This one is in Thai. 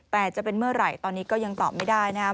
แต่จะเป็นเมื่อไหร่ตอนนี้ก็ยังตอบไม่ได้นะครับ